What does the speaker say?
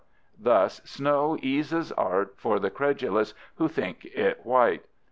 Thus snow eases art for the credulous who think it white.